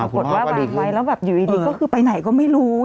พ่นี้บอกว่าวางไว้แล้วอยู่ดีก็คือไปไหนก็ไม่รู้